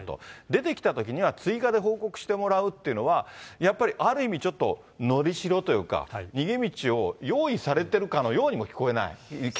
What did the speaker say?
出てきたときには、追加で報告してもらうっていうのは、やっぱりある意味ちょっと、のりしろというか逃げ道を用意されてるかのようにも聞こえる。